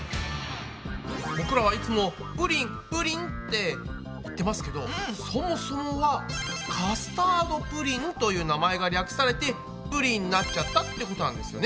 僕らはいつもプリンプリンって言ってますけどそもそもは「カスタードプリン」という名前が略されて「プリン」になっちゃったってことなんですよね。